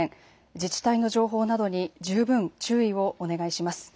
自治体の情報などに十分注意をお願いします。